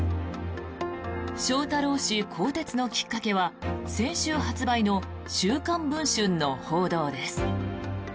翔太郎氏更迭のきっかけは先週発売の「週刊文春」の報道です。